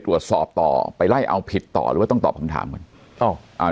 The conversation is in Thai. ตรวจสอบต่อไปไล่เอาผิดต่อหรือว่าต้องตอบคำถามก่อนอ้าวอ่า